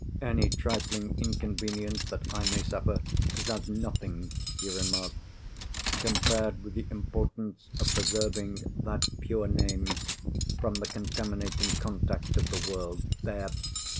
"Any trifling inconvenience that I may suffer is as nothing," he remarked, "compared with the importance of preserving that pure name from the contaminating contact of the world. There!